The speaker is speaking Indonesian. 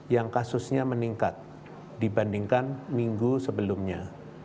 yang kasusnya meningkat dibandingkan minggu sebelumnya